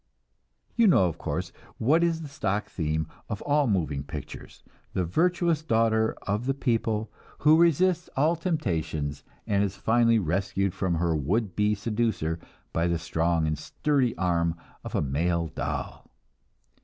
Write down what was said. You know, of course, what is the stock theme of all moving pictures the virtuous daughter of the people, who resists all temptations, and is finally rescued from her would be seducer by the strong and sturdy arm of a male doll.